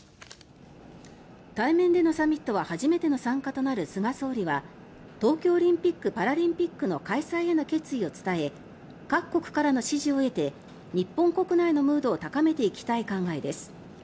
対面でのサミットは初めての参加となる菅総理は東京オリンピック・パラリンピックの開催への決意を伝え各国からの支持を得て日本国内のムードを高めていきたい考えです。